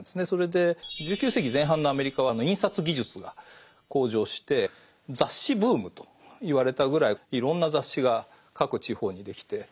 それで１９世紀前半のアメリカは印刷技術が向上して雑誌ブームといわれたぐらいいろんな雑誌が各地方にできて。